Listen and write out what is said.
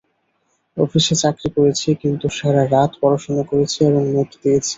অফিসে চাকরি করেছি, কিন্তু সারা রাত পড়াশোনা করেছি এবং নোট নিয়েছি।